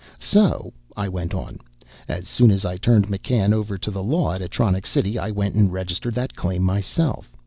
"So," I went on, "as soon as I turned McCann over to the law at Atronics City, I went and registered that claim myself.